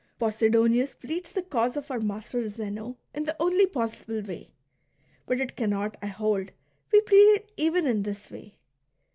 "* Posidonius pleads the cause of our master Zeno in the only possible way ; but it cannot, I hold, be pleaded even in this way.